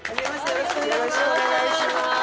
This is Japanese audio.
よろしくお願いします！